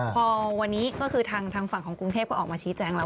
พอวันนี้ก็คือทางฝั่งของกรุงเทพก็ออกมาชี้แจงแล้ว